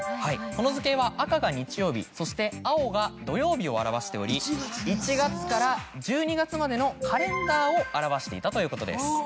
この図形は赤が日曜日青が土曜日を表しており１月から１２月までのカレンダーを表していたということです。